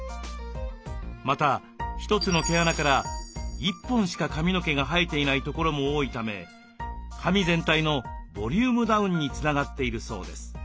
また一つの毛穴から１本しか髪の毛が生えていないところも多いため髪全体のボリュームダウンにつながっているそうです。